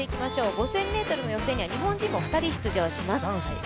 ５０００ｍの予選には日本人２人も出場します。